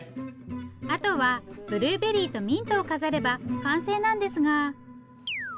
あとはブルーベリーとミントを飾れば完成なんですが。